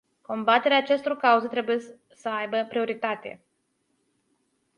Combaterea acestor cauze trebuie ă aibă prioritate.